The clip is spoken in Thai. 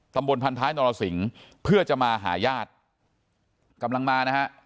บนพันท้ายนรสิงเพื่อจะมาหาญาติกำลังมานะฮะ